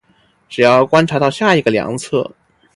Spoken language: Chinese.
只要观察到下一个量测。